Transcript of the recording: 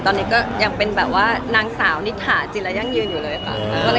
ตอนนี้ก็ยังเป็นแบบว่านางสาวนิถาจิรายั่งยืนอยู่เลยค่ะ